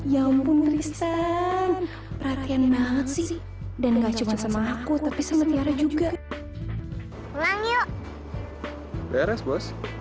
ya ampun tristan